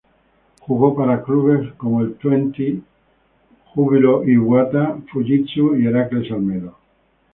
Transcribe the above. Jugó para clubes como el Twente, Júbilo Iwata, Fujitsu y Heracles Almelo.